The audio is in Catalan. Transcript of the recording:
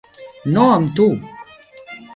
No amb tu!